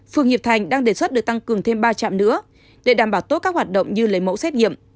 phường hiệp thành đang đề xuất được tăng cường thêm ba trạm nữa để đảm bảo tốt các hoạt động như lấy mẫu xét nghiệm